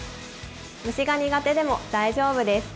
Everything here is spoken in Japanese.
虫が苦手でも大丈夫です。